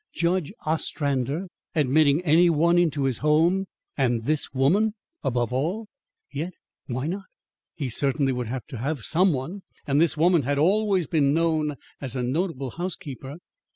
Judge Ostrander admitting any one into his home, and this woman above all! Yet, why not? He, certainly, would have to have some one. And this woman had always been known as a notable housekeeper.